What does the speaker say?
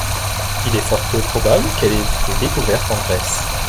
Il est fort peu probable qu'elle ait été découverte en Grèce.